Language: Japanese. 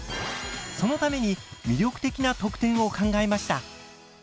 そのために魅力的な特典を考えました。